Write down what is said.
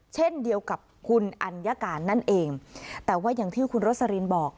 เช่นเดียวกับคุณอัญการนั่นเองแต่ว่าอย่างที่คุณโรสลินบอก